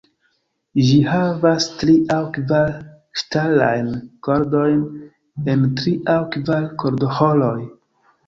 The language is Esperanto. Ĝi havas tri aŭ kvar ŝtalajn kordojn en tri aŭ kvar kordoĥoroj.